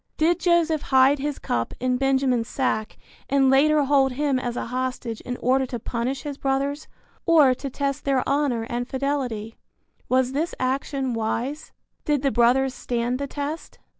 Did Joseph hide his cup in Benjamin's sack and later hold him as a hostage in order to punish his brothers or to test their honor and fidelity? Was this action wise? Did the brothers stand the test?